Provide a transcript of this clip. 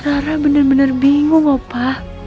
rara bener bener bingung opa